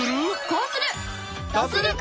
どうする？